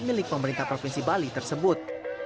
milik pemerintah provinsi bali tersebut